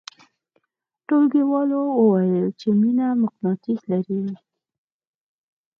ټولګیوالو ویل چې مینه مقناطیس لري